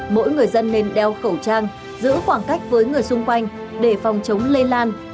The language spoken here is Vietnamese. mỗi người dân nên đeo khẩu trang giữ khoảng cách với người xung quanh để phòng chống lây lan